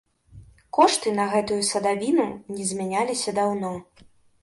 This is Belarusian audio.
Кошты на гэтую садавіну не змяняліся даўно.